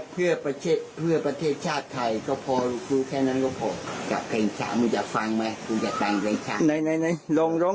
เป็นประชาบันพระไทยของไทยทุกอยู่ในโลกคงไหว้ได้ทั้งหมด